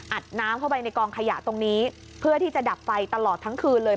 น้ำเข้าไปในกองขยะตรงนี้เพื่อที่จะดับไฟตลอดทั้งคืนเลย